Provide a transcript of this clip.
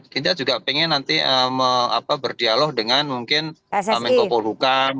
kita juga ingin nanti berdialog dengan mungkin pak menko polukan